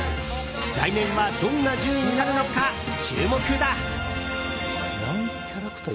来年はどんな順位になるのか注目だ！